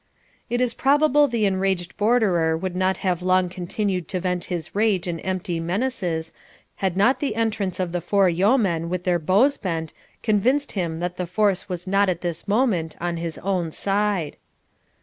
It is probable the enraged Borderer would not have long continued to vent his rage in empty menaces, had not the entrance of the four yeomen with their bows bent convinced him that the force was not at this moment on his own side.